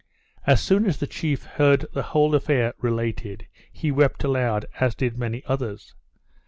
As soon as the chief heard the whole affair related, he wept aloud, as did many others.